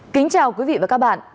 kính chào quý vị và các bạn